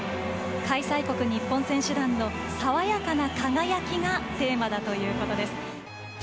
開催国、日本選手団の爽やかな輝きがテーマだということです。